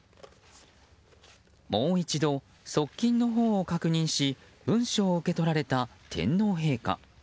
もう一度、側近のほうを確認し文書を受け取られた天皇陛下。